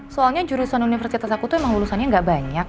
soalnya jurusan universitas aku tuh emang lulusannya nggak banyak